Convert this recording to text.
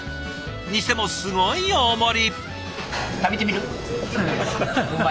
にしてもすごい大盛り！